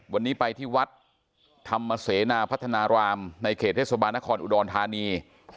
วันนี้ไปที่วัดธรรมเสนาพัฒนารามในเขตเทศบาลนครอุดรธานี